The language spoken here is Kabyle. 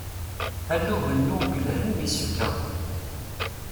Alugen n uwgelhen n isefka.